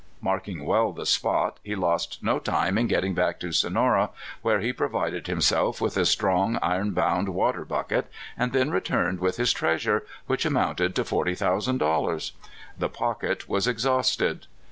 Marking well the spot, he lost no time in hurrying back to Sonora, where he provided himself with a strong, iron bound water bucket, and then returned with his treasure, which amounted to forty thousand dollars. The "pocket" was ex hausted.